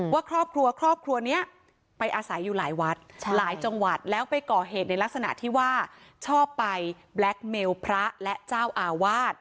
ว่าครอบครัวครอบครัวนี้ไปอาศัยอยู่หลายวัดหลายจังหวัดแล้วไปก่อเหตุในลักษณะที่ว่าชอบไปแบล็คเมลพระและเจ้าอาวาส